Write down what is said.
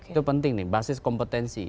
itu penting nih basis kompetensi